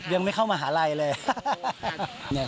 ยังไม่เข้ามหาลัยเลย